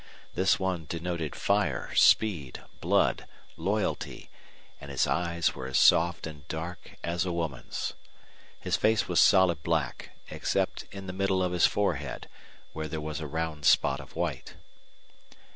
This one denoted fire, speed, blood, loyalty, and his eyes were as soft and dark as a woman's. His face was solid black, except in the middle of his forehead, where there was a round spot of white.